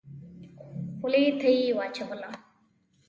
خولې ته يې واچوله.